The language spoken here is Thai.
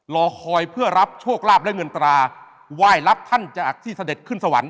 รอคอยเพื่อรับโชคลาภและเงินตราไหว้รับท่านจากที่เสด็จขึ้นสวรรค